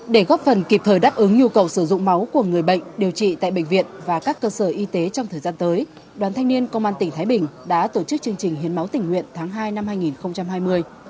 để góp phần kịp thời đáp ứng nhu cầu sử dụng máu của người bệnh điều trị tại bệnh viện và các cơ sở y tế trong thời gian tới đoàn thanh niên công an tỉnh thái bình đã tổ chức chương trình hiến máu tình nguyện tháng hai năm hai nghìn hai mươi